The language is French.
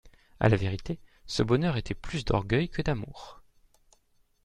A la vérité, ce bonheur était plus d'orgueil que d'amour.